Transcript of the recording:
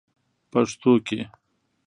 پښتو کې: